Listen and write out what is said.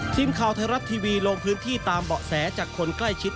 ทีมข่าวไทยรัฐทีวีลงพื้นที่ตามเบาะแสจากคนใกล้ชิด